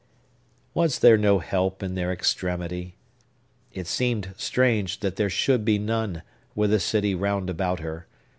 Was there no help in their extremity? It seemed strange that there should be none, with a city round about her.